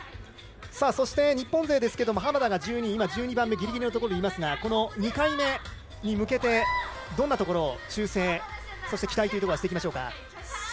そして、日本勢ですが浜田が今、１２番目ギリギリのところにいますが２回目に向けてどんなところを調整して期待をしていきましょうか。